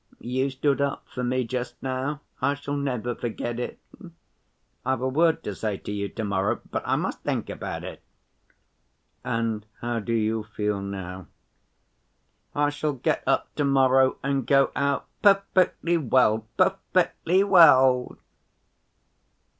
You stood up for me, just now. I shall never forget it. I've a word to say to you to‐morrow—but I must think about it." "And how do you feel now?" "I shall get up to‐morrow and go out, perfectly well, perfectly well!"